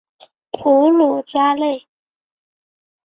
普卢扎内。